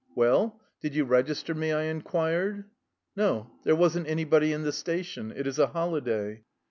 " Well, did you register me? " I inquired. " No, there was n't anybody in the station. It is a holiday.''